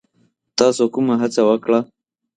تاسو کومه هڅه وکړه؟